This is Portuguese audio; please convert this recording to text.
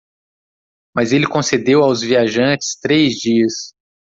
Mas ele concedeu aos viajantes três dias.